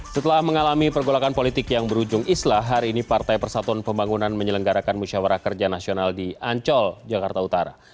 setelah mengalami pergolakan politik yang berujung islah hari ini partai persatuan pembangunan menyelenggarakan musyawarah kerja nasional di ancol jakarta utara